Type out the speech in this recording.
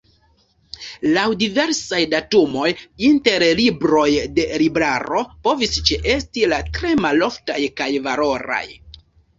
Laŭ diversaj datumoj, inter libroj de Libraro povis ĉeesti la tre maloftaj kaj valoraj.